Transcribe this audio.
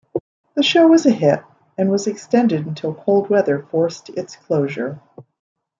The show was a hit and was extended until cold weather forced its closure.